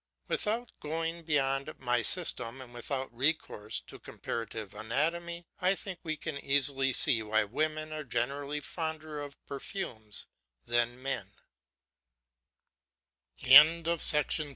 Without going beyond my system, and without recourse to comparative anatomy, I think we can easily see why women are generally fonder of perfumes than men.